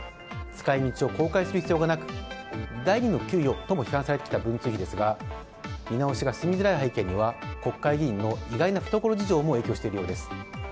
使い道を公開する必要がなく第２の給与とも批判されてきた文通費ですが見直しが進みづらい背景には国会議員の意外な懐事情も影響しているようです。